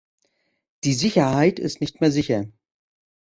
Die Sicherheit ist nicht mehr sicher.